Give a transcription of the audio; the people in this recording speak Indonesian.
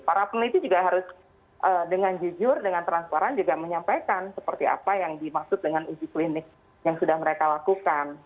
para peneliti juga harus dengan jujur dengan transparan juga menyampaikan seperti apa yang dimaksud dengan uji klinik yang sudah mereka lakukan